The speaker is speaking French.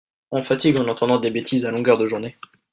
on fatigue en entendant des bétises à longueur de journée.